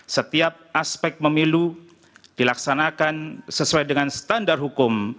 setiap aspek pemilu dilaksanakan sesuai dengan standar hukum